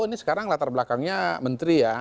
ini sekarang latar belakangnya menteri ya